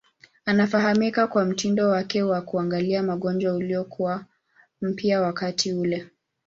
Anafahamika kwa mtindo wake wa kuangalia magonjwa uliokuwa mpya wakati ule.